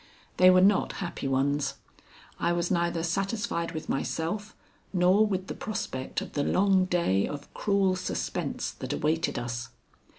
They were not happy ones; I was neither satisfied with myself nor with the prospect of the long day of cruel suspense that awaited us.